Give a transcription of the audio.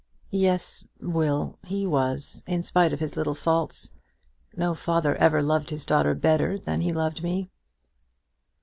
"Yes, Will; he was, in spite of his little faults. No father ever loved his daughter better than he loved me."